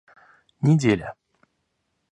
Неделя